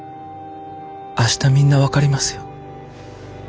明日みんな分かりますよ。